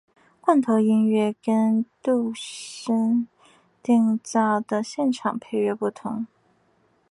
罐头音乐跟度身订造的现场配乐不同。